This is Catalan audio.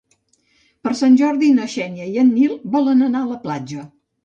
Per Sant Jordi na Xènia i en Nil volen anar a la platja.